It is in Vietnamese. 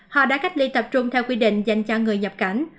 họ đã cách ly tập trung theo quy định dành cho người nhập cảnh